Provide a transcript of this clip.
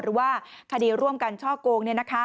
หรือว่าคดีร่วมกันช่อโกง